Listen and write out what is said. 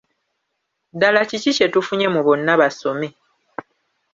Ddala kiki kye tufunye mu `Bonna Basome'?